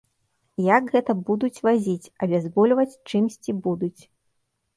Як гэта будуць вазіць, абязбольваць чымсьці будуць.